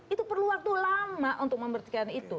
itu perlu waktu lama untuk membersihkan itu